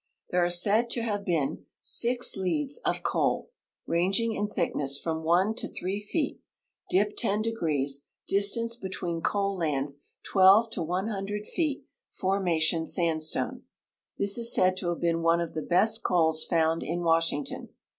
There are said to have been " six leads of coal, ranging in thickness from 1 to 3 feet, dip 10 degrees, dis tance between coal leads, 12 to 100 feet, formation sandstone." This is said to have been one of the best coals found in Wash ington.